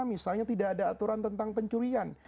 misalnya tidak ada aturan tentang pencurian